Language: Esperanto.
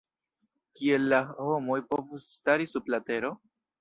Kiel la homoj povus stari sub la tero?